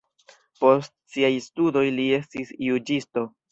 Post siaj studoj li estis juĝisto.